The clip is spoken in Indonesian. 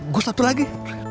gue satu lagi